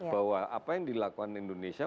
bahwa apa yang dilakukan indonesia